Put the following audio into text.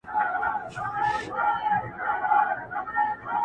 ښکاري وایې دا کم اصله دا زوی مړی،